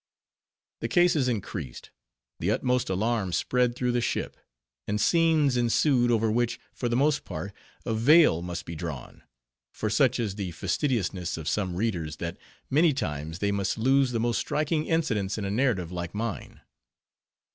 The cases increased: the utmost alarm spread through the ship: and scenes ensued, over which, for the most part, a veil must be drawn; for such is the fastidiousness of some readers, that, many times, they must lose the most striking incidents in a narrative like mine.